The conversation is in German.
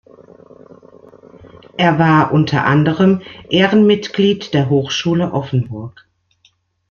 Er war unter anderem Ehrenmitglied der Hochschule Offenburg.